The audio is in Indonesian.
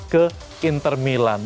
ke inter milan